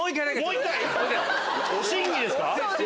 審議ですか？